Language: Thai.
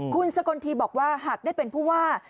คุณสกลทีบอกว่าหากได้เป็นผู้ว่า